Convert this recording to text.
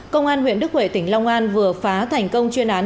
công an huyện đức huệ tỉnh long an vừa phá thành công chuyên án